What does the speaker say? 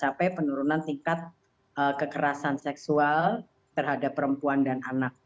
untuk kita capai penurunan tingkat kekerasan seksual terhadap perempuan dan anak